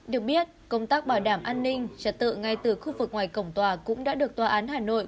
được biết công tác bảo đảm an ninh trật tự ngay từ khu vực ngoài cổng tòa cũng đã được tòa án hà nội